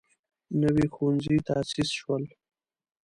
نوي ښوونځي تاسیس شول.